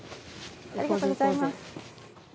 ありがとうございます。